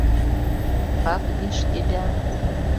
Как бишь тебя?